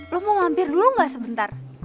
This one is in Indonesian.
lo mau mampir dulu nggak sebentar